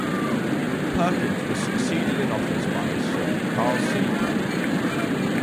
Perkins was succeeded in office by his son, Carl C. Perkins.